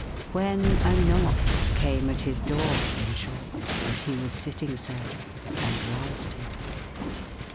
—When a knock came at his door, in short, as he was sitting so, and roused him.